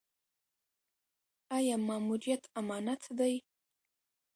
آیا ماموریت امانت دی؟